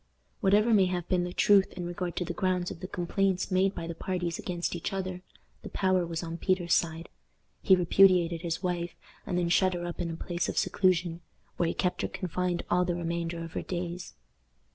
Whatever may have been the truth in regard to the grounds of the complaints made by the parties against each other, the power was on Peter's side. He repudiated his wife, and then shut her up in a place of seclusion, where he kept her confined all the remainder of her days.